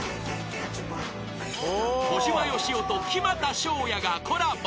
［小島よしおと木全翔也がコラボ］